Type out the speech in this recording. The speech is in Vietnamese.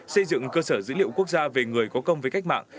xây dựng cơ sở dữ liệu quốc gia về người có công với cách mạng